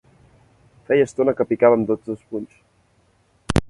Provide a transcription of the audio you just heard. Feia estona que picava amb tots dos punys.